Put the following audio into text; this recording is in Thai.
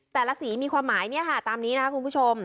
แต่ละสีมีความหมายเนี่ยค่ะตามนี้นะคุณผู้ชม